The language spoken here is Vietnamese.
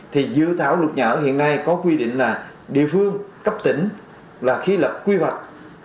thì dự thảo luật nhà ở hiện nay có quy định là địa phương cấp tỉnh là khi lập quy hoạch